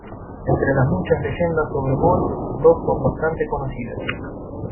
Entre las muchas leyendas sobre moros dos son bastante conocidas.